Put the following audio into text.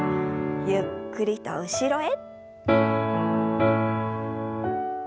ゆっくりと後ろへ。